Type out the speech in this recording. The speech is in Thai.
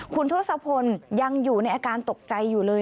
คุณทศพลยังอยู่ในอาการตกใจอยู่เลย